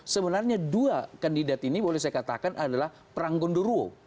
sebenarnya dua kandidat ini boleh saya katakan adalah perang gondoruo